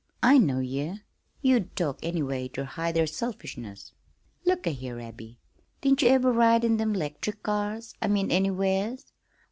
I know ye! You'd talk any way ter hide their selfishness. Look a' here, Abby, did ye ever ride in them 'lectric cars? I mean anywheres?"